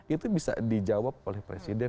itu bisa dijawab oleh presiden